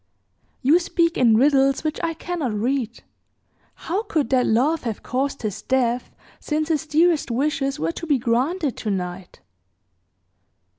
"You speak in riddles which I cannot read. How could that love have caused his death, since his dearest wishes were to be granted to night?"